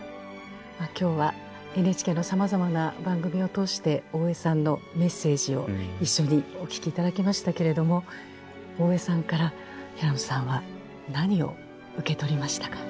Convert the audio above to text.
今日はＮＨＫのさまざまな番組を通して大江さんのメッセージを一緒にお聞き頂きましたけれども大江さんから平野さんは何を受け取りましたか？